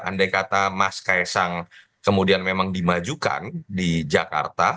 andai kata mas kaisang kemudian memang dimajukan di jakarta